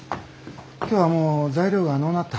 今日はもう材料がのうなった。